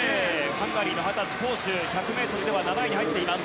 ハンガリーの二十歳のコーシュは１００ｍでは８位に入っています。